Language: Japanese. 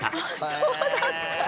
そうだったんだ。